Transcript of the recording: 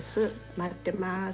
待ってます。